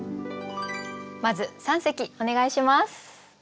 まず三席お願いします。